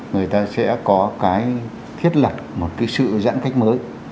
người ta sẽ có thiết lật một sự giãn cách mới